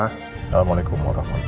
assalamualaikum warahmatullahi wabarakatuh